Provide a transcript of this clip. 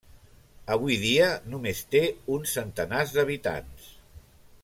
Avui dia només té uns centenars d'habitants.